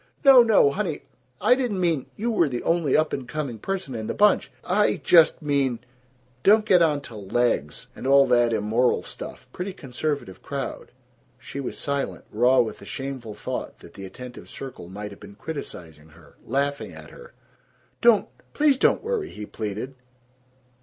"No! No! Honey, I didn't mean You were the only up and coming person in the bunch. I just mean Don't get onto legs and all that immoral stuff. Pretty conservative crowd." She was silent, raw with the shameful thought that the attentive circle might have been criticizing her, laughing at her. "Don't, please don't worry!" he pleaded.